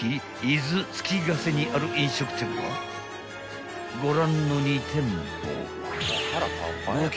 伊豆月ケ瀬にある飲食店はご覧の２店舗］